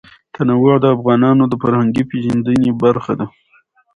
تنوع د افغانانو د فرهنګي پیژندنې برخه ده.